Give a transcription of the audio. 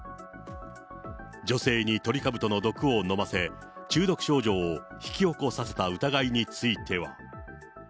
女性にトリカブトの毒を飲ませ、中毒症状を引き起こさせた疑いについては。